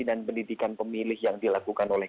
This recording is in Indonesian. dan pendidikan pemilih yang dilakukan oleh